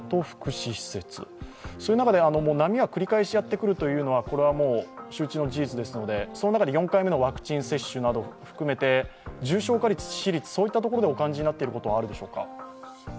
そういう中で波は繰り返しやってくるのはこれはもう、周知の事実ですのでその中で４回目のワクチン接種などを含めて重症化率、致死率でお感じになっていることはありますでしょうか。